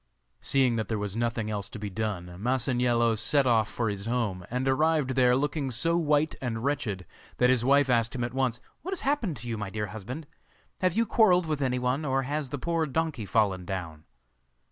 Seeing that there was nothing else to be done, Masaniello set off for his home, and arrived there looking so white and wretched that his wife asked him at once: 'What has happened to you, my dear husband? Have you quarrelled with anyone, or has the poor donkey fallen down?